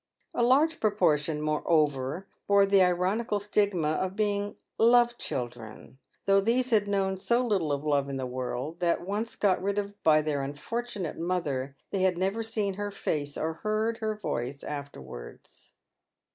A large proportion, moreover, bore the ironical stigma of being " love children," though these had known so little of love in the world, that once got rid of by their "unfortunate" mother, they had never seen her face or heard her voice afterwards.